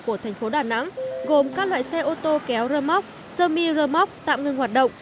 của thành phố đà nẵng gồm các loại xe ô tô kéo rơ móc sơ mi rơ móc tạm ngừng hoạt động